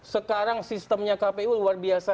sekarang sistemnya kpu luar biasa